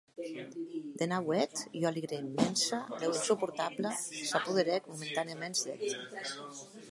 De nauèth ua alegria immensa, lèu insuportabla, s’apoderèc momentanèaments d’eth.